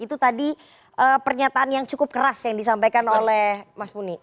itu tadi pernyataan yang cukup keras yang disampaikan oleh mas muni